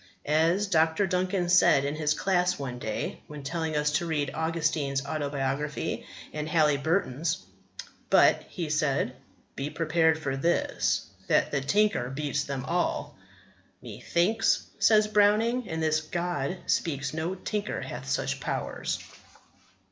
As Dr. Duncan said in his class one day when telling us to read Augustine's Autobiography and Halyburton's: "But," he said, "be prepared for this, that the tinker beats them all!" "Methinks," says Browning, "in this God speaks, no tinker hath such powers."